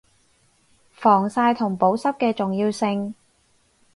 防曬同保濕嘅重要性